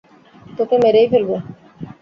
তোকে মেরেই ফেলবো!